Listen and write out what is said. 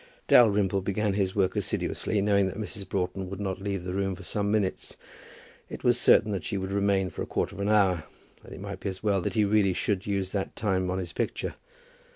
Dalrymple began his work assiduously, knowing that Mrs. Broughton would not leave the room for some minutes. It was certain that she would remain for a quarter of an hour, and it might be as well that he should really use that time on his picture.